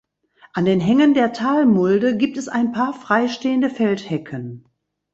An den Hängen der Talmulde gibt es ein paar freistehende Feldhecken.